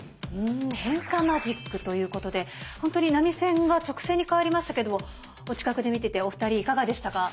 変化マジックということでほんとに波線が直線に変わりましたけれどもお近くで見ててお二人いかがでしたか？